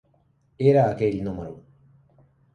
Era aquell número.